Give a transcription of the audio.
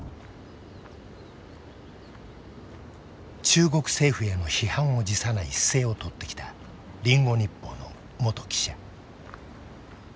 中国政府への批判を辞さない姿勢を取ってきたリンゴ日報の元記者。